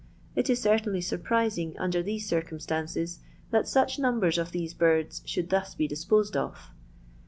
It is certainly surprising, under these circumstances, that such numbers of these birds should thus be disposed of.